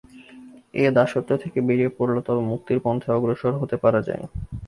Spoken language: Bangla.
এ দাসত্ব থেকে বেরিয়ে পড়লে তবে মুক্তির পন্থায় অগ্রসর হতে পারা যায়।